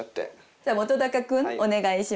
じゃあ本君お願いします。